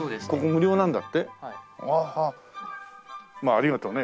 ありがとね。